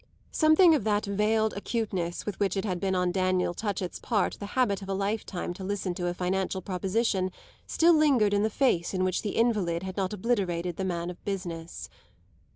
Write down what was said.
Something of that veiled acuteness with which it had been on Daniel Touchett's part the habit of a lifetime to listen to a financial proposition still lingered in the face in which the invalid had not obliterated the man of business.